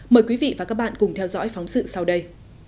mời quý vị và các bạn cùng theo dõi phóng sự sau đây